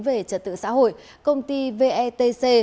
về trật tự xã hội công ty vetc